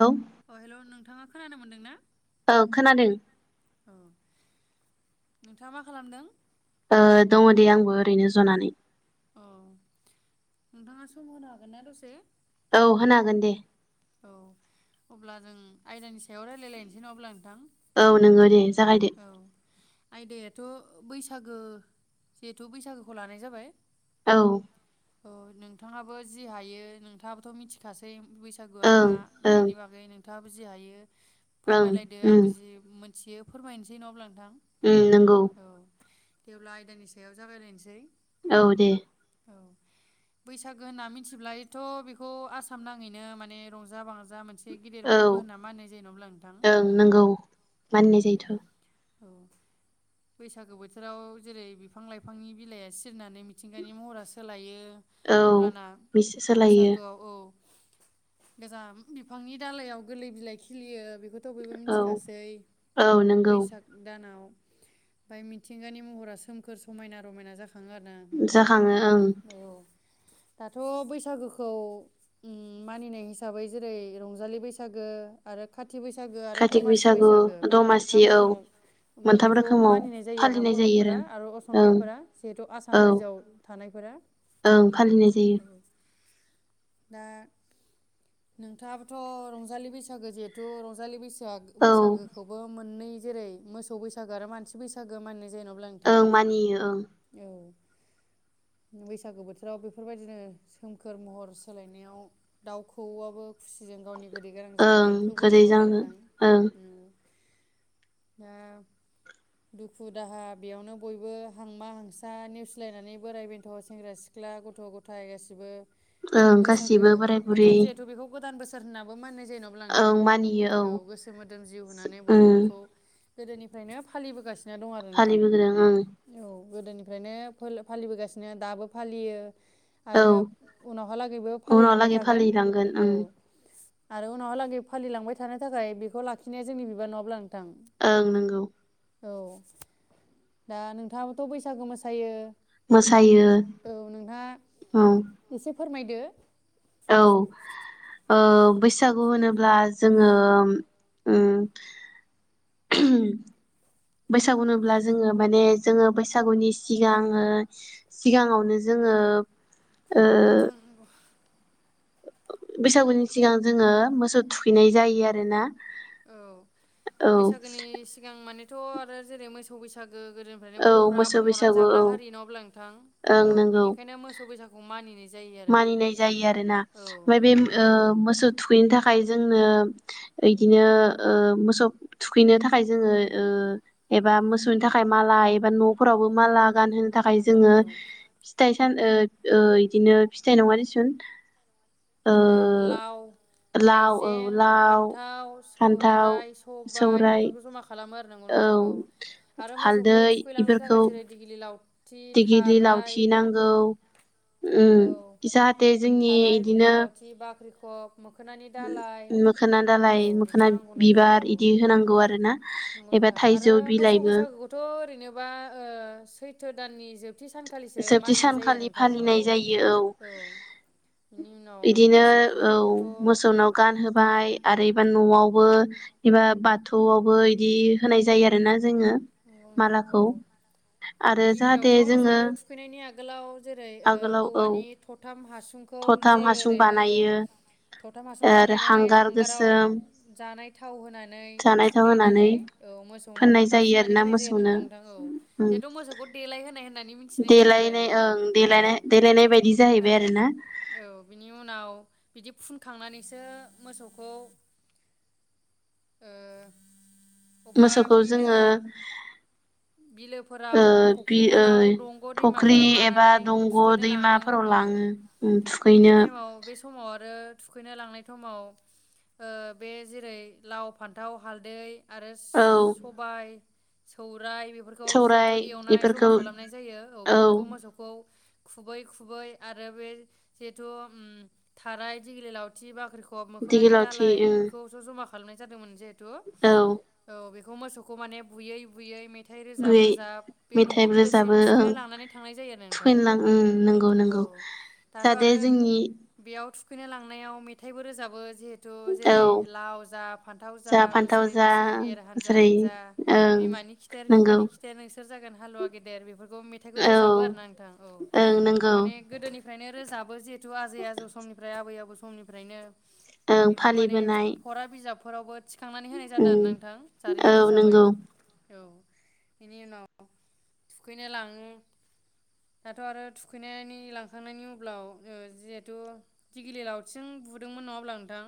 औ। अ हेल नोंथाङा खोनानो मोनदों ना? औ खोनादों। नोंथाङा मा खालामदों? ओ दङ दे आंबो ओरैनो जनानै। अ नोंथाङा सम होनो हागोन ना दसे? औ होनो हागोन दे। औ अब्ला जों आयदानि याव रायलायलायसै न अब्ला नोंथां। औ नोङो दे जागायदो औ आइ दा त बैसागो जेहेथु बैसागोखौ लानाय जाबाय औ। औ नोंथाङाबो जि हायो नोंथाङाबो मिथिखासै। बैसागुआ मा ओं ओं बेनि बागै नों नोंथांङाबो जि हायो ओं फोरमायलायदो उम आंबो जि मोन [unintelligible] फोरमानोसै न अब्ला नोंथां। उम नोंगौ। औ दे अब्ला आयदानि सायाव जागायलायनोसै। औ दे। औ बैसागो होनना मिथिब्ला एथ बेखौ आसाम नाङैनो माने रंजा बाजा जा मोनसे गिदिर औ फोरबो होनना मानिनाय जायो नङा होमब्ला ओं नंगौ नोंथां औ। मानिनाय जायोथ' औ बैसागो बोथोराव जेरै बिफां लाइफांनि बिलाइया सिरिनानै मिथिंगानि महरा सोलायो। औ अब्लाना मिस सोलायो बैसागोआव औ। गोजाम बिफांनि दालायाव गोरलै बिलाइ खिलियो बे बेखौथ बयबो औ मिथिखासै। औ नंगौ बैसाग दानाव ओमफाय मिथिंगानि महरा सोमखोर समायना रमायना जाख थाङो आरो ना नोंथां जाखाङो ओं औ दाथ बैसागोखौ ओम मानिनाय हिसाबै जेरै रंजालि बैसागो आरो खाथि खााथि बैसागो आरो कातिक दमासि बैसागु बैसागो बे मोन दमासि मोनथाम औ रोखोमाव मोनथाम बेखौ रोखोमाव मानिनाय जायो आरोना फालिनाय जायो बरफोरा आरो ओं असमियाफोरा जिहेथु आसाम औ रायजोआव थानायफोरा ओं फालिनाय जायो औ। दा नोंथाङाबोथ रंजालि बैसागो जिहेथु रंजालि बैसागु [unintelligible] औ बैसागोखौबो मोननै जेरै मोसौ बैसागो आरो मानसि बैसागो माने जेनब्ला नोंथां ओं मानियो ओं औ। बैसागु बोथोराव बेफोरबायदिनो सोमखोर महर सोलायनायाव दाउ खौवौआबो खुसिजों गावनि गोदै गोरांजों ओं देंखो बोयो गोदै नङा होमब्ला जानो नोंथां ओं दा दुखु दाहा बेयावनो बयबो हांमा हांसा नेवसिलायनानै बोराय बेन्थ सेंग्रा सिख्ला गथ' ग'थाय गासिबो। ओं बैसागो गासिबो बोराय बोथोर बुरै जिहेथु बेखौ गोदान बोसोर। फोरनाबो मानिनाय जा जेनब्ला ओं नोंथां मानियो औ गोसो मोदोम जिउ होनानै बयबो ओम गोदोनिफ्रायनो फालिबोगासिनो दा दं आरो नोंथां फालिबोदों ओं औ गोदोनिफ्रायनो फालिबोगासिनो दाबो फालियो। औ आरो उनावहालागैबो फालिलांबाय उनावलागै थागोन फालिलांगोन औ। ओं आरो उनावहालागै फालिलांबाय थानो थाखाय बेखौ लाखिनाया जोंनि बिबान नङाब्ला नोंथां ओं नंगौ। औ दा नोंथाङाबोथ' बैसागु मोसायो। मोसायो औ नोंथाङा औ एसे फोरमायदो। औ ओ बैसागु होनोब्ला जोङो उम बैसागु होनोब्ला जोङो माने जोङो बैसागुनि सिगां सिगाङावनो जोङो ओ नोंथां नंगौ। बैसागुनि सिगां जोङो मोसौ थुखैनाय जायो आरो ना। औ बैसागोनि सिगां मान थ आरो जेरै मोसौ बैसागु गो गोदोनिफ्रायनो औ बर'फोरा मोसौ आबाद मावनानै बैसागु जाग्रा औ हारि ना अब्ला नोंथां ओं औ नंगौ बिनिखायनो मोसौ बैसाागु मानिनो मानिनाय जायो आरोना ओमफाय बे उम ओ मोसौ थु थुखैनो थाखाय जोंनो इदिनो ओ मोसौ थुखैनो थाखाय जोङो ओ एबा मोसौनि थाखाय माला एबा नफोरावबो माला गाहोनो होनो न'फोरावबो नंगौ थाखाय नोंथां जोङो औ सान ओ ओ इदिनो फिथाइ नङा दिसुन ओ जेरै लाव लाव औ हाइजें लाव फान्थाव फान्थाव सौराइ सबाय सौराइ बेफोरखौ ज मा खालामो आरो नंगौ नोंथां औ हालदै इफोरखौ लाव। दिगिरि लावथि नांगौ उम औ जाहाथे जोंनि थाराय इदिनो दिग्लि लावथि बाख्रि खब मोखोनानि दालाय मोखोना औ दालाय बेखौ मोखोना नांगौनाय बिबार जायो औ इदि होनांगौ आरो ना नंगौ एबा नोंथां थाइजौ आरो मोसौ बिलाइबो बैसागोखौथ ओरैनोबा सैथो दाननि खाथि सानखालिसो जोबथि मानिनाय जायो सानखालि नोंथां औ फालिनाय औ। [inaudible] बिदिनो औ मोसौखौथ' मोसौनाव गानहोबाय आरो एबा न'आवबो एबा बाथौआवबो इदि होनाय जायो आरोना जोङो नंगौ नोथां मालाखौ औ आरो जाहाथे गिबियावथ' जोङो मोसौखौ थुखैनायनि आगोलाव जेरै आगोलाव औ ओऔवानि थथाम हासुंखौ थथाम जे हासुं ओरै औ बानायो थथाम हासुं आरो बानायनानै हांगार हांगाराव गोसोम जानाय थाव होनानै जानाय थाव होनानै थुग्लिनानै औ मोसौनाव फोननाय फोथा फु जायो फुननानै आरोना होनाय जायो मोसौनो नोंगौ नोंथांखौ उम जिहेथु मोसौखौ देलाय होनाय होननानै बिदि मिथिनाय जायो देलायनाय नोंथां ओं औ देलायनाय देलायनाय बायदि जाहैबाय आरो ना औ बिनि उनाव बिदि फुनखांनानैसो मोसौखौ अबबा मोसौखौ बिलो जोङो ओ बिलोफोराव बि ओ फुख्रिफोराव दंग फुख्रि दैमाफोराव एबा लानानै दंग' थुखैनो लाङो दैमाफोराव औ लाङो उम बे थुखैनो टाइमाव बे समाव आरो थुखैनो लांनाय समाव ओ बे जेरै लाव फान्थाव हालदै आरो स औ सबाय सौ राय बेफोरखौ जिहेथु सौराइ एवनाय जमा इफोरखौ खालामनाय जायो औ बेफोरखौ मोसौखौ खुबै खुबै आरो बे जिहेथु उम थाराय दिग्लि लावथि बाख्रिख खब मोखोनानि दिगिलावथि दालाय उम बेफोरखौसो ज' ज'मा खा खालामनाय जादोंमोन जे थु औ औ बे खौ मोसौखौ माने बुयै बुयै मे मेथाइ रोजाब बै रोजाब बे दंग मेथाइबो बिलोसिम रोजाबो ओं थुखैनो लानानै थांनाय जायो आरो नोंथां थुखैनो लां उम नंगौ औ नंगौ दाथ' जाहाथे आरो जोंनि बेयाव थु थुखैनो लांनायाव मेथाइबो रोजाबो जिहे थ औ जेरै लाव जा फान्थाव जा फान्थाव बोसोरै जा बोसोर एर हानजा हासारै हानजा। ओं बिमानि खिथेर नंगौ फिफानि खिथेर नोंसो सोर जागोन हालुवा गेदेर बेफोर [unintelligible] मेथाइखौ औ रोजाबो आरो ना नोंथां औ ओं बेखौ नंगौ माने गोदोनि फ्रायनो रोजाबो जे तु आजै आजौ समनिफ्राय आबै आबौ समनिफ्रायनो ओं बेखौ माने फालिबोनाय फरा बिजाब फोरावबो थिखांनानै होनाय उम जादों आरो ना नोंथां औ जारिमिन हिसाबै नंगौ औ बेनि उनाव थुखैनो लाङो दाथ आरो थुखैनायनि लांखांनायनि उब्लाव ओ जिहेथु दिगिलि लावथिंजों बुदोंमोन नङाब्ला नोंथां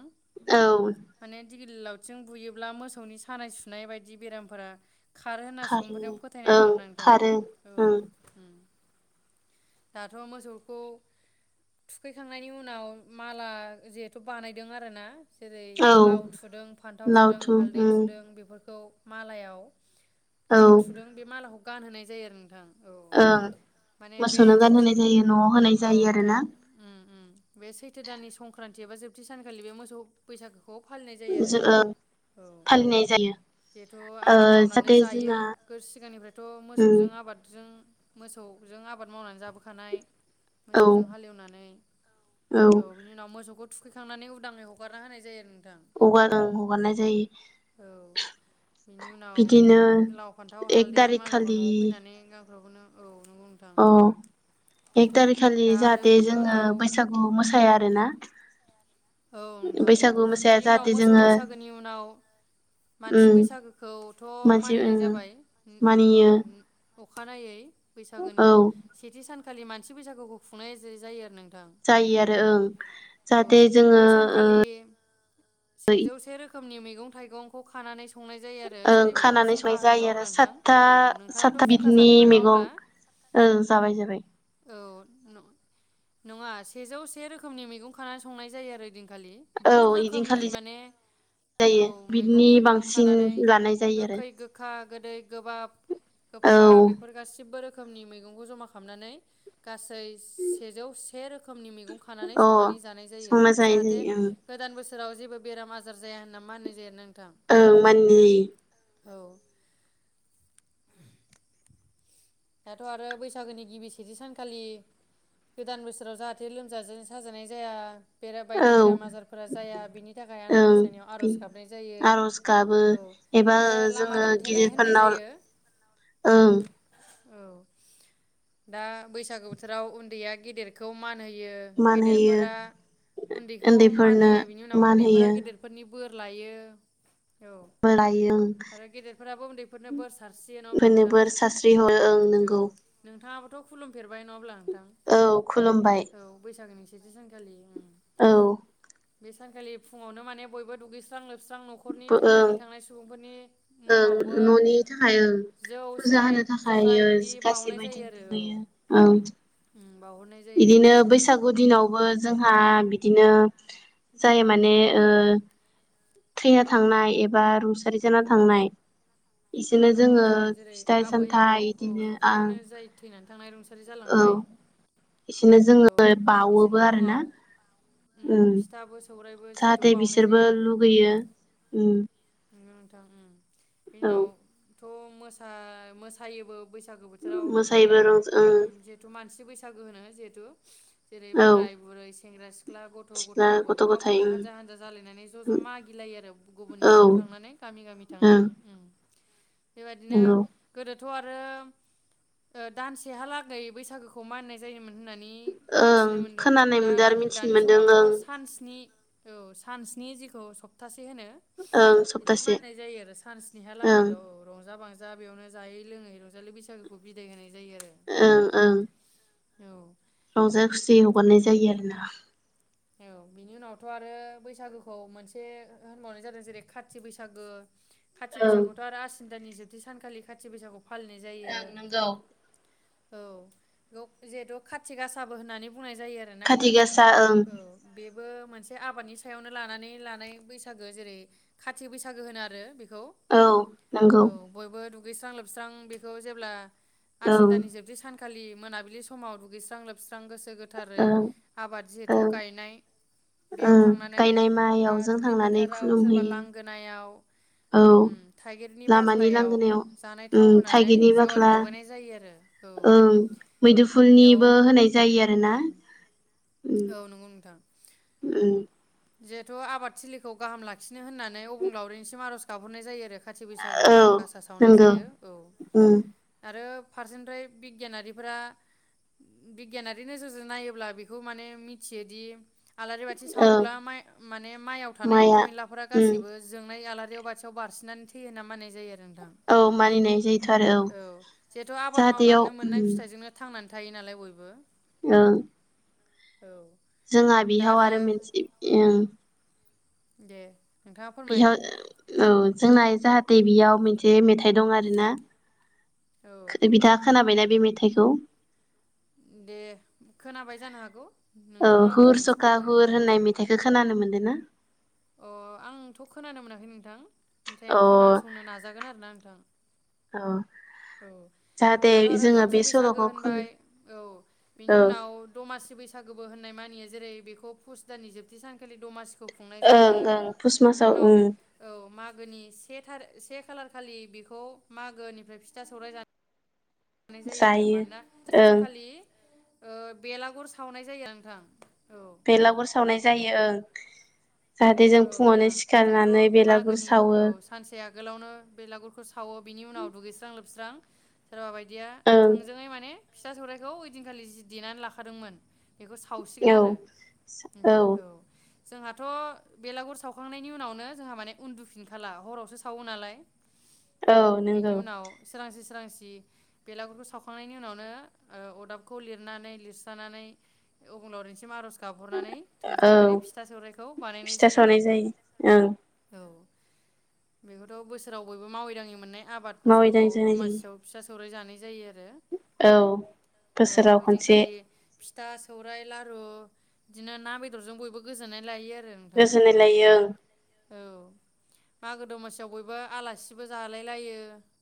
औ माने दिगिलि लावथिजों बुयोब्ला मोसौनि सानाय सुनाय बायदि बेराम फोरा खारो होनना खारो सुबुंफोरनियाव फोथायनाय दं आरो ओं ना नोंथां खारो औ औ ओं उम दाथ मोसौखौ थुखैखांनायनि उनाव माला जिहेथु बानायदों आरोना जेरै औ लाव थुदों फान्थाव थुदों लावथुम हालदै उम थुदों बेफोरखौ मालायाव औ जिहेथु थुदों बे मालाखौ गानहोनाय जायो आरो नोंथां औ ओं माने मोसौनो बे गान होनाय जायो नआव होनाय औ जायो नोंथां आरोना उम उम बे सैथो दाननि संक्रांन्ति एबा जोबथि सानखालि बे मोसौ बैसागो खौ फालिनाय जायो आरो जो ओ औ फालिनाय जायो जिहेथु ओ आबाद मावनानो जाहाथे जोंना जायो सिगांनिफ्रायथ उम मोसौजों आबादजों मोसौजों आबाद मावनानै जाब बोखानाय औ मोसौजों हालेवनानै औ बिनि उनाव मोसौखौ थुखैखांनानै उदाङै हगारना होनाय जायो नोंथां हगार ओ हगारनाय जायो औ बिनि उनाव बिदिनो लाव फान्थाव एक हालदै थारिख मालाखौ खालि न'आव फैनानै [unintelligible] अ उम एक थारिख खालि दा आरो जाहाथे बिनि जोङो उनाव बैसागु मोसाया आरोना औ नोंथां उम बैसागु मोसाया बिनि उनाव जाहाथे मोसौ जोङो बैसागोनि उनाव उम मानसि बैसागोखौथ मानसि उम मानिनाय जाबाय औ मानियो अखानायै बैसागोनि औ सानखालि मानसि बैसागुखौ खुंनाय ज जायो आरो नों जायो आरो ओं जाहाथे जोङो बै सानखालि ओ खोमनि मैगं थाइगंखौ खानानै संनाय जायो आरो ओं जेरै बेखौ खानानै फुंखा संनाय होनो जायो नङा आरो होमब्ला सादथा नोंथां औ सादथा नोंथाङाबोथ' फुंखा बिदनि जाफेरबाय नङा मैगं होमब्ला ओं जाबाय जाबाय औ नङा सेजौ से रोखोमनि मैगं खानानै संनाय जायो आरो दि आ खालि औ बहुद रोखोमनि इदिनखालि माने औ जायो मैगं बिदिनि थाइगं बांसिन खानानै लानाय जायो आरो गोखै गोखा गोदै गोबाब गोफा बेफोर गासिबो रोख रोखोमनि मैगखौ जमा हामनानै गा गासै सेजौ से रोखोमनि मैगं खानानै औ अ संनानै जानाय जायो संना जानाय जाहाथे जायो ओं गोदान बोसोर बोसोराव जेबो बेराम आजार जाया होन्ना मानिनाय जायो आरो ना नों ओं मानि औ दाथ आरो बैसागोनि गिबि सेथि सानखालि गोदान बोसोराव जाहाथे लोमजा साजानाय जाया बेरा जायो बायदि औ बेराम आजारफोरा जाया बिनि थाखाय आनान ओं गसायनायाव आरज गाबनाय जायो आर'ज गाबो औ एबा आरो लामा जोङो दानथेनाय होननाय गिदिरफोरनाव जायो। ओं औ दा बैसागो बोथोराव उन्दैया गेदेरखौ मा मान होयो मान होयो गेदेरफोरा उन्दैखौ मान उन्दैफोरनो होयो बिनि उनाव मान उन्दैफोरा होयो गेदेरफोरनि बोर लायो औ बोलायो आरो गेदेरफोराबो उन्दैफोरनो बोर सा फोरनो बोर सास्रि हरो ओं औ नोंगौ नों नोंथाङाबो थ खुुलुमफेरबाय ना अब्ला औ बैसागोनि जि सानखालिओम औ बे सानखालि फुङावनो माने बयबो दुगैस्रां लोब लोबस्रां नखरनि बो ओं थैनानै थांनाय सुबुंफोरनि ओं मुङावबो न'नि जौ सेरेब जखाय हायो बिदि बाउनाय गासैबो जायो इदिनो आरो औ दुगैयो औ। ओम बाउहरनाय जायो बिदिनो बैसागु दिनावबो जोंहा बिदिनो जाय माने ओ थैना थांनाय एबा रुंसारि जाना थांनाय औ बिसोरनो नंगौ जोङो नोंथां जेरै फिथाइ आबै आबौ सामथाइ औ बिदिनो आं नखरनिनो जाय थैनानै थांनाय रुंसारि जालांनाय बिदिनो औ जोङो बाउओबो बिसोरनि आरो ना मुङाव उम। फिथाबो सौराइबो जिहेथु जाहाथे बाउनाय बिसोरबो जायो लुगैयो उम। नोंथां उम। बेनि औ उनाव थ मोसा-मोसायोबो बैस बैसागो बोथोराव बे मोसायोबो रंजा उम ओं जिहेथु मानसि बैसागो होनो जे [unintelligible] जेरै औ बोराय बुरै सेंग्रा सि ख्ला गथ सिख्ला गथाय गथ' बयबो गावबा गथाय गाव हानजा हानजा जालायनानै ज ज मागिलायो आरो गुबुननि औ नआव ओं थांनानै गामि गामि थांनानै उम। बेबादिनो नंगौ गोदो थ आरो दानसेहालागै बैसागुखौ मानिनाय जायोमोन। होननानै ओं मिथिनो मोन्दों खोनानाय ना मोनदों आरो नाथाय मिथिनो दानि मोनदों समावथ' ओं सानस्नि औ सान स्नि जेखौ सप्ता ओं सब बिदि मानिनाय जायो आरो सानस्नि हालागैल' रंजा बाजा बेयावनो जायै लोङै रंजालि बैसागोखौ बिदाय होनाय जायो आरो ओं बयबो ओं। औ रंजा खुसि हगारनाय जायो आरोना। औ बिनि उनावथ' आरो बैसागोखौ मोनसे होनबावनाय जादों जेरै खाथि बैसागो खाथि ओं ओं बैसागोखौथ' आरो आस सिन दाननि जोबथि सानखालि खाथि बैसागो फालिनाय जायो। नंगौ औ गौ जिहेतु खाथि गासाबो होननानै बुंनाय जायो आरो ना। खाथि गासा ओं औ बे बो मोनसे आबादनि सायावनो लानानै लानाय बैसागो जेरै काति बैसागो होनो आरो। बेखौ औ नंगौ। औ बयबो दुगैस्रां लोबस्रां बेखौ जेब्ला आसिन ओं दाननि जोबथि सान खालि मोनाबिलि समाव दुगैस्रां लोबस्र स्रां गोसो गोथारै ओं आबाद जि ज ओं गायनाय बेयाव ओं थांनानै गायनाय आ माइयावजों दुब्लि थांनानै फोथाराव सोरबा खुलुमहैयो लांगोनायाव औ उम थाइगिरनि लामानि बाख्लायाव लांगोनायाव जानाय थाव उम होनानै थाइगिरनि जेवारि बाख्ला लगायनाय जायो आरो औ ओं बेयाव मैदुफुलनिबो होनाय जायो आरोना उम औ नंगौ नोंथां। उम। जिहेथु आबाद थिलिखौ गाहाम लाखिनो होननानै अबंलावरिनिसिम आरज गाबहरनाय जायो आरो। खाथि औ बैसागोआव गासा सावनाय नंगौ जायो औ उम आरो फारसेनिफ्राय बिगियानारिफ्रा बिगियानारि नोजोरजों नायोब्ला बेखौ माने मिथियोदि आलारि बाथि साव औ [unintelligible] माने माइयाव थानाय माइआ एम्फौ एनलाफोरा उम गासिबो जोंनाय आलारि [unintelligible] बाथियाव बारसिननानै थै होन्ना मानिनाय जायो आरो औ मानिनाय जायोथ' आरो औ नोंथां औे जिहेथु आबाद जाहाथेयाव मावनानैनो उम मोननाय फिथायजोंनो थां थायो नालाय बयबो ओं औ जोंहा बिहाव आरो मोनसे एं दे नोंथाङा फोरमाय औ जोंना जाहाथे बेयाव मोनसे मेथाइ दं आरोना औ बिथाङा खोनाबायना? बे मेथाइखौ? दे खोनाबाय जानो हागौ औ नोंथाङा अबे हुर मोनसेखौ सखा हुर बुंदोंबा होननाय मेथाइखौ खोनानो मोन दोना? अ आंथ' खोनानो मोनाखै नोंथां। नाथाइ आं अ खोनासंनो नाजागोन आरोना नोंथां औ औ जाहाथे दाथ' आरो जोङो खाथि बे बैसागु सल'खौ होनबाय खोनो औ बिनि औ उनाव दमासि बैसागोबो होन मानियो जेरै बेखौ फुस दाननि जोबथि सानखालि दमासिखौ खुंनाय ओं जायो ओं पुस बिनि मासाव उनाव ओं औ मागोनि से थार से खालार खालि बेखौ मागोनिफ्राय फिथा सौराय जानो लानाय जायो आरो मानोना सेथि ओं सानखालि ओ बेलागुर सावनाय जायो नोंथां। औ बेलागुर सावनाय जायो ओं जाहाथे जों औ फुङावनो नोंथां जिहेथु सिखारनानै बेलागुर मागोनि सावो औ सानसे आगोलावनो बे लागुरखौ सावो बिनि उनाव दुगैस्रां लोबस्रां सोरबा बायदि दिया ओं थोंजोङै माने फिथा सौराइखौ ओइदिनखालि जि देनानै लाखादोंमोन बेखौ सावसिगोन औ आरो नोंथां औ जोंहाथ' बेलागुर सावखांनायनि उनावनो जोंहा माने उन्दुफिनखाला हरावसो सावो नालाय औ बिनि उनाव सोरांसे सो सोरांसि बेलागुरखौ सावखांनायनि उनावनो ओ अरदाबखौ लिरनानै लिरस्रानानै अबंलावरिनिसिम आरज गाबहरनानै औ थोंजोङै माने फिथा सौराइखौ बानायनाय फिथा जायो आरो सावनाय नोंथां जायो ओं औ बेखौथ बोसोराव बयबो मावै दाङै मोननाय आबाद मावै फसलखौ दाङै जानाय जायो दमासियाव फिसा सौराय जानाय जायो आरो औ औ बोसोराव खनसे ओइदिनखालि फिथा सौराइ लारु बिदिनो ना बेदरजों बयबो गोजोननाय लायो आरो नोंथां गोजोननाय लायो ओं औ मागो दमासियाव बयबो आलासिबो जालाय लायो